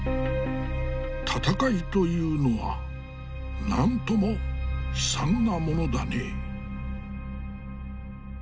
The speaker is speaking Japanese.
戦いというのはなんとも悲惨なものだね。